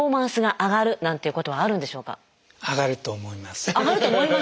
上がると思います。